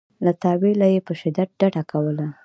له تأویله یې په شدت ډډه کوله.